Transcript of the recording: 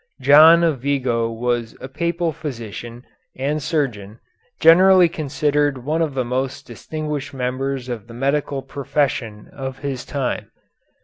John of Vigo was a Papal physician and surgeon, generally considered one of the most distinguished members of the medical profession of his time.